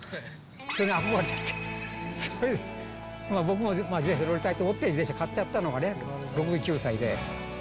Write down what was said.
それに憧れちゃって、これで僕も、自転車乗りたいと思って、自転車買っちゃったのが６９歳で。